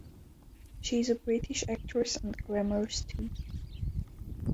She is a British actress and "glamour stooge".